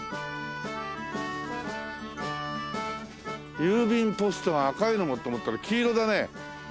郵便ポストが赤いのと思ったら黄色だね。